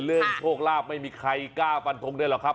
เรื่องโทษลาบไม่มีใครกล้าฟันทุกข์ด้วยหรอกครับ